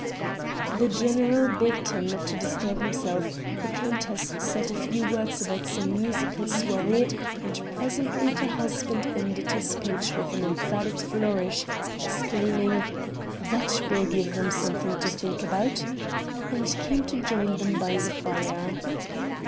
The general begged him not to disturb himself, the countess said a few words about some musical soirée, and presently her husband ended his page with an emphatic flourish, exclaiming: "That will give them something to think about!" and came to join them by the fire.